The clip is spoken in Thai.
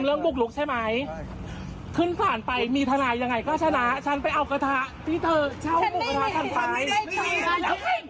ลูกน้องเธอกินลูกน้องเธอกินฉันก็เลยไปถามไทย